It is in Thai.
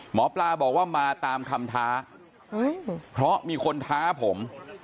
หมอปลาบอกว่ามาตามคำท้าเพราะมีคนท้าผม